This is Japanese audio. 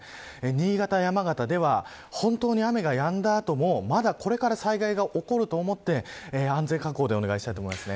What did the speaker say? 新潟や山形では本当に雨がやんだ後もまだこれから災害が起こると思って安全確保でお願いします。